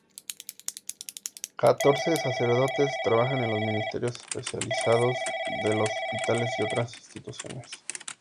Catorce sacerdotes trabajan en los ministerios especializados de los hospitales y otras instituciones.